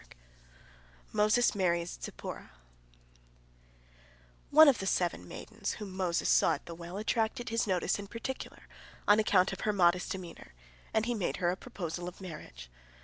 " MOSES MARRIES ZIPPORAH One of the seven maidens whom Moses saw at the well attracted his notice in particular on account of her modest demeanor, and he made her a proposal of marriage.